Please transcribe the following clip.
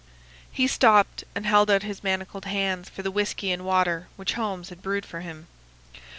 He stopped, and held out his manacled hands for the whiskey and water which Holmes had brewed for him.